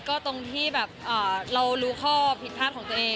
ก็ตรงที่แบบเรารู้ข้อผิดพลาดของตัวเอง